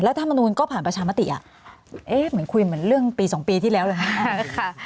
ธรรมนูลก็ผ่านประชามติอ่ะเอ๊ะเหมือนคุยเหมือนเรื่องปี๒ปีที่แล้วเลยนะ